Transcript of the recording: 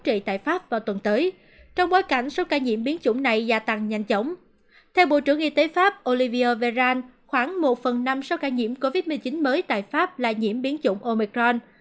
trưởng y tế pháp olivier véran khoảng một phần năm sau ca nhiễm covid một mươi chín mới tại pháp là nhiễm biến chủng omicron